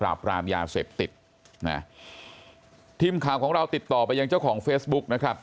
รามยาเสพติดนะทีมข่าวของเราติดต่อไปยังเจ้าของเฟซบุ๊กนะครับ